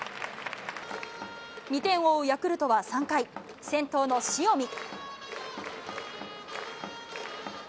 ２点を追うヤクルトは３回、先頭の塩見。